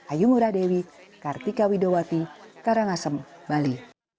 ayu muradewi kartika widowati karangasem bali